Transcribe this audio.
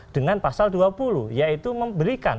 dengan pasal dua puluh yaitu memberikan